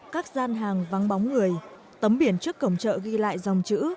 các gian hàng vắng bóng người tấm biển trước cổng chợ ghi lại dòng chữ